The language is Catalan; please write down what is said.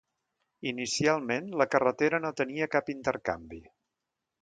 Inicialment, la carretera no tenia cap intercanvi.